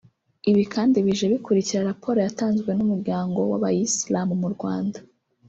Ibi kandi bije bikurikira raporo yatanzwe n’umuryango w’abayisilamu mu Rwanda